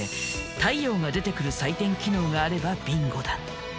太陽が出てくる採点機能があればビンゴだ。